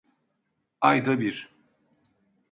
Ayda bir.